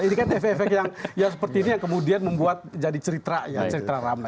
ini kan efek efek yang seperti ini yang kemudian membuat jadi cerita ya cerita ramai